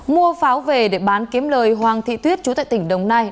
mua pháo về để bán kiếm lời hoang thị tuyết trú tại tỉnh đồng nai